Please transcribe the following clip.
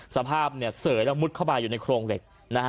สภาพเสยแล้วมุดเข้าไปอยู่ในโครงเหล็ก